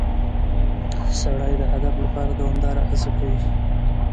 سړی د هدف لپاره دوامداره هڅه کوي